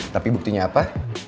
tapi buktinya apa